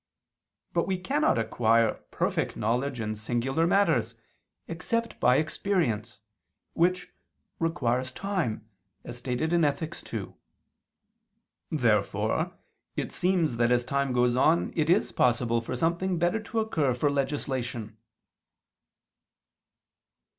But we cannot acquire perfect knowledge in singular matters, except by experience, which "requires time," as stated in Ethic. ii. Therefore it seems that as time goes on it is possible for something better to occur for legislation.